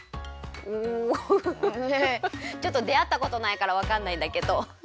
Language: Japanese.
うんウフフフちょっとであったことないからわかんないんだけど。